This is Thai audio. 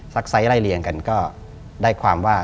ไซส์ไล่เลี่ยงกันก็ได้ความว่า